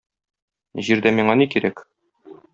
Җирдә миңа ни кирәк?